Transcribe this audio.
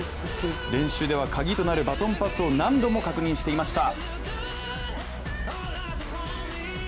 練習ではカギとなるバトンパスを何度も確認していました。